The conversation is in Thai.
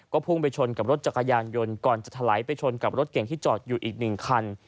พุ่งไปชนกับรถจักรยานยนต์ก่อนจะถลายไปชนกับรถเก่งที่จอดอยู่อีกหนึ่งคัน